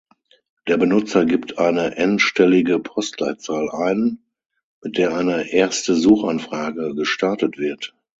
Der Benutzer gibt eine n-stellige Postleitzahl ein, mit der eine erste Suchanfrage gestartet wird.